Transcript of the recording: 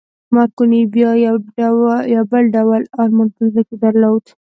مارکوني بیا یو بل ډول ارمان په زړه کې درلود